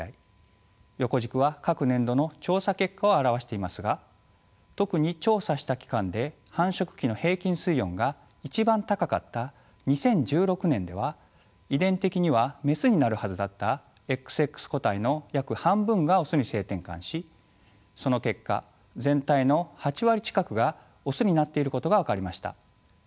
横軸は各年度の調査結果を表していますが特に調査した期間で繁殖期の平均水温が一番高かった２０１６年では遺伝的にはメスになるはずだったＸＸ個体の約半分がオスに性転換しその結果全体の８割近くがオスになっていることが分かりました。